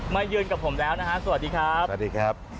ยืนกับผมแล้วนะฮะสวัสดีครับสวัสดีครับ